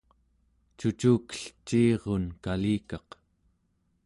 cucukelciirun kalikaq